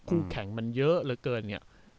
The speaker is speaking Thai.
คู่แข่งมันเยอะเหลือเกิน